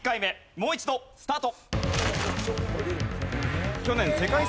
もう一度スタート。